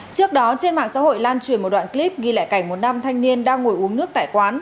trước đó trên mạng xã hội lan truyền một đoạn clip ghi lại cảnh một nam thanh niên đang ngồi uống nước tại quán